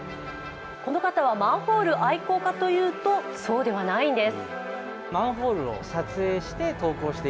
この方はマンホール愛好家というと、そうではないんです。